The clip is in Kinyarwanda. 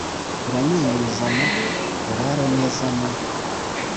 uranyuzuza ma! uranezeza ma !